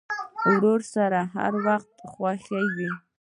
ورور سره هر وخت خوښ یې.